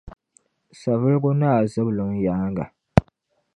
Savelugu Naa Zibilim yaaŋa